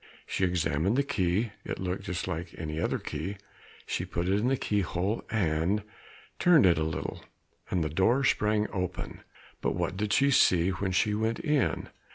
She examined the key, it looked just like any other; she put it in the keyhole and turned it a little, and the door sprang open. But what did she see when she went in?